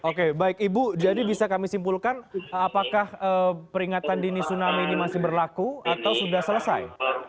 oke baik ibu jadi bisa kami simpulkan apakah peringatan dini tsunami ini masih berlaku atau sudah selesai